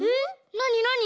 なになに？